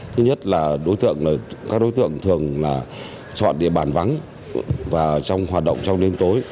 thứ nhất là các đối tượng thường là chọn địa bàn vắng và trong hoạt động trong đêm tối